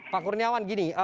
pak kurniawan gini